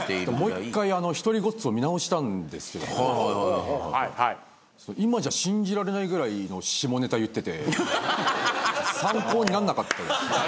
もう１回『一人ごっつ』を見直したんですけども今じゃ信じられないぐらいの下ネタ言ってて参考になんなかったです。